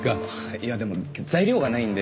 いやでも材料がないんで。